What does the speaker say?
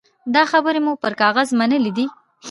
دا خبرې مو پر کاغذ منلي دي.